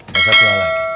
dan satu hal lagi